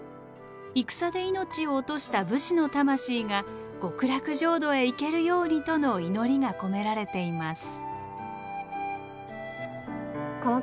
戦で命を落とした武士の魂が極楽浄土へ行けるようにとの祈りが込められています。